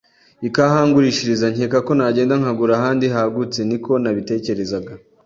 ikahangurishiriza nkekako nagenda nkagura ahandi hagutse , niko nabitekerezaga.